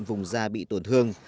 vùng da bị tổn thương